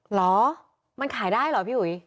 เหรอมันขายได้เหรอพี่อุ๋ย